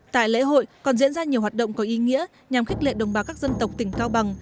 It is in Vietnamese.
tại lễ hội còn diễn ra nhiều hoạt động có ý nghĩa nhằm khích lệ đồng bào các dân tộc tỉnh cao bằng